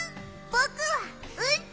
ぼくはうんち！